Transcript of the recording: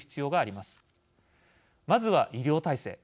まずは医療体制。